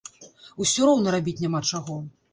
Усё роўна рабіць няма чаго.